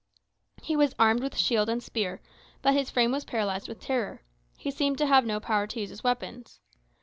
He was armed with shield and spear, but his frame was paralysed with terror. He seemed to have no power to use his weapons.